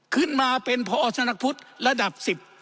ขึ้นมาเป็นพอสำนักพุทธระดับ๑๐